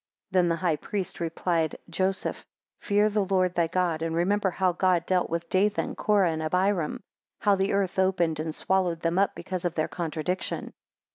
14 Then the high priest replied, Joseph, Fear the Lord thy God, and remember how God dealt with Dathan, Korah, and Abiram, how the earth opened and swallowed them up, because of their contradiction.